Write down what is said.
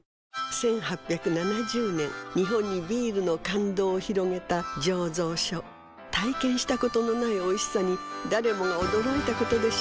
１８７０年日本にビールの感動を広げた醸造所体験したことのないおいしさに誰もが驚いたことでしょう